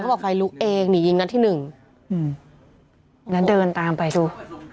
บอกไฟลุกเองหนียิงนัดที่หนึ่งอืมแล้วเดินตามไปดู